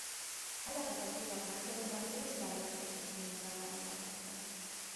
Ezek a típusok napjainkban Brüsszel négy kocsiszínében vannak elosztva.